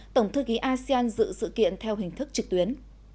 tổng thư ký asean dự sự kiện theo hình thức trực tuyến